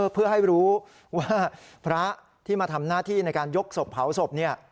เพื่อให้รู้ว่าพระที่มาทำหน้าที่ในการยกศพเผาศพ